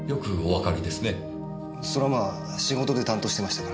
そりゃまあ仕事で担当してましたから。